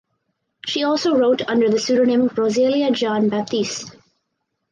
She also wrote under the pseudonym Roselia John Baptiste.